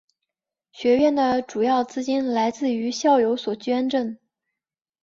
学院的主要资金来自于校友所捐赠。